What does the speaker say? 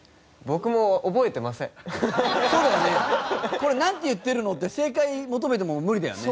これなんて言ってるの？って正解求めても無理だよね。